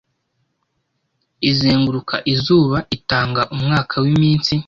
izenguruka izuba itanga umwaka wiminsi